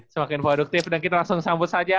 semakin produktif dan kita langsung sambut saja